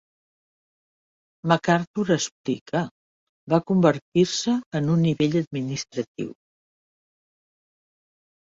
MacArthur explica, va convertir-se en un nivell administratiu.